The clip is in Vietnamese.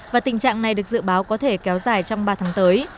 và tình trạng này được dự báo có thể kéo dài trong ba tháng tới